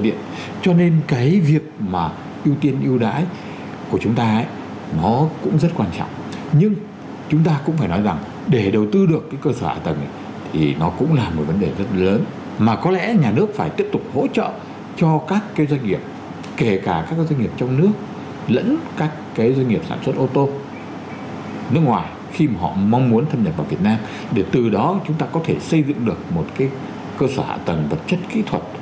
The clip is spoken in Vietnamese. vậy thì cái việc mà chúng ta đang gần như chắn các cái cơ sở hạ tầng thì nó cũng là một vấn đề rất lớn mà có lẽ nhà nước phải tiếp tục hỗ trợ cho các doanh nghiệp kể cả các doanh nghiệp trong nước lẫn các doanh nghiệp sản xuất ô tô nước ngoài khi mà họ mong muốn thâm nhập vào việt nam để từ đó chúng ta có thể xây dựng được một cái cơ sở hạ tầng vật chất kỹ thuật